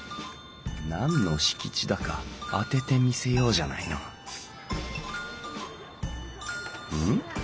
何の敷地だか当ててみせようじゃないのん？